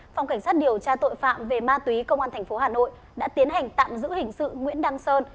phòng cảnh sát điều tra tội phạm về ma túy công an tp hà nội đã tiến hành tạm giữ hình sự nguyễn đăng sơn